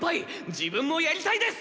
自分もやりたいです！